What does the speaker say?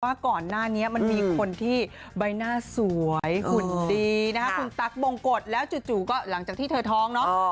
ว่าก่อนหน้านี้มันมีคนที่ใบหน้าสวยหุ่นดีนะคะคุณตั๊กบงกฎแล้วจู่ก็หลังจากที่เธอท้องเนาะ